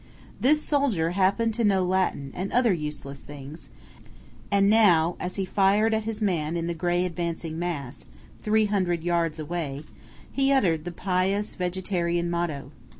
This soldier happened to know Latin and other useless things, and now, as he fired at his man in the gray advancing mass three hundred yards away he uttered the pious vegetarian motto.